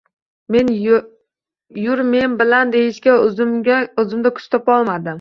Yur men bilan deyishga o’zimda kuch topolmadim.